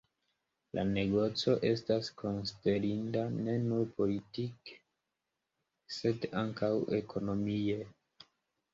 La negoco estas konsiderinda ne nur politike, sed ankaŭ ekonomie.